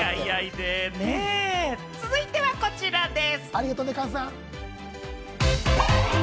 続いてはこちらです。